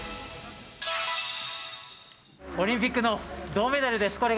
オリンピックの銅メダルです。